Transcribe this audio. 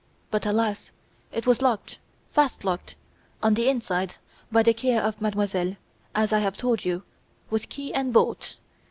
But alas! it was locked, fast locked, on the inside, by the care of Mademoiselle, as I have told you, with key and bolt.